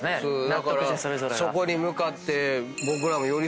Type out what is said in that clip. だからそこに向かって。